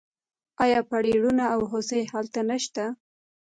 آیا پریړونه او هوسۍ هلته نشته؟